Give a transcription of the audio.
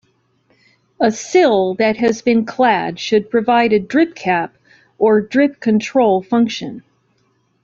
A sill that has been clad should provide a "drip cap" or "drip-control" function.